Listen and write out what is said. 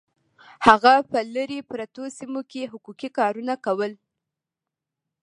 هغه په لرې پرتو سیمو کې حقوقي کارونه کول